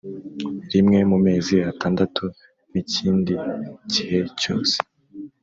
rimwe mu mezi atandatu n ikindi gihe cyose